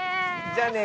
じゃあね。